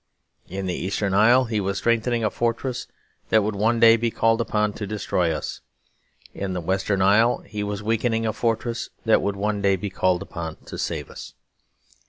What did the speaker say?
In the eastern isle he was strengthening a fortress that would one day be called upon to destroy us. In the western isle he was weakening a fortress that would one day be called upon to save us.